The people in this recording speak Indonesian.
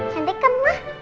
cantik kan ma